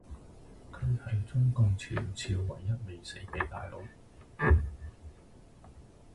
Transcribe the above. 佢係中共前朝唯一未死既大佬